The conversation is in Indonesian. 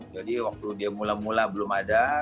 jadi waktu dia mula mula belum ada